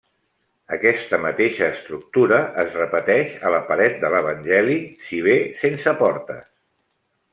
Aquesta mateixa estructura es repeteix a la paret de l'evangeli si bé sense portes.